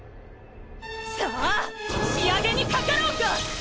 さぁ仕上げにかかろうか！